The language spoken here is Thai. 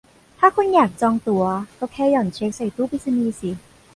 ถ้าคุณอยากจองตั๋วก็แค่หย่อนเช็กใส่ตู้ไปรษณีย์สิ